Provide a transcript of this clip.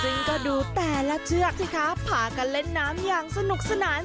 ซึ่งก็ดูแต่ละเชือกสิคะพากันเล่นน้ำอย่างสนุกสนาน